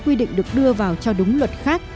quy định được đưa vào cho đúng luật khác